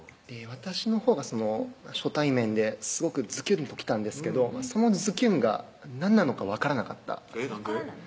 私のほうが初対面ですごくズキュンときたんですけどそのズキュンが何なのか分からなかったえっなんで？